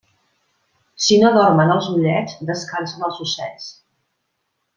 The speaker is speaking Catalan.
Si no dormen els ullets, descansen els ossets.